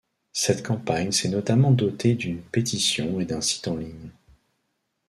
Cette campagne s'est notamment dotée d'une pétition et d'un site en ligne.